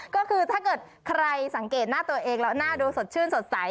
ก็คือถ้าเกิดใครสังเกตหน้าตัวเองแล้วหน้าดูสดชื่นสดใส